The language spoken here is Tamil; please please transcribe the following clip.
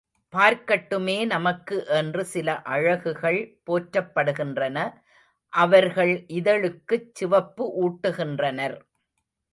பார்க்கட்டுமே நமக்கு என்று சில அழகுகள் போற்றப்படுகின்றன, அவர்கள் இதழுக்குச் சிவப்பு ஊட்டுகின்றனர்.